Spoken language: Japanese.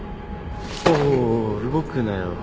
おいおい動くなよ